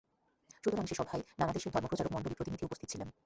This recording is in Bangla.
সুতরাং সে সভায় নানা দেশের ধর্মপ্রচারকমণ্ডলীর প্রতিনিধি উপস্থিত ছিলেন।